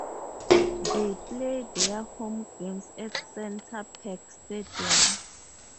They play their home games at Center Parc Stadium.